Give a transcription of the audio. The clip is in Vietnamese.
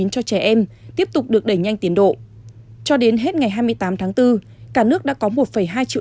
cho trẻ em tiếp tục được đẩy nhanh tiến độ cho đến hết ngày hai mươi tám tháng bốn cả nước đã có một hai triệu